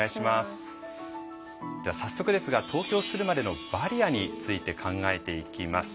では早速ですが投票するまでのバリアについて考えていきます。